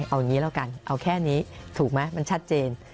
เอาอย่างนี้แล้วกันเอาแค่นี้ถูกไหมมันชัดเจน